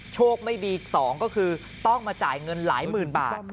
โชคไม่ดีอีก๒ก็คือต้องมาจ่ายเงินหลายหมื่นบาท